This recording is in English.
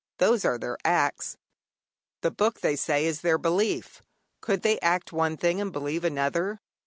Those are their acts; the Book, they say, is their belief. Could they act one thing and believe another?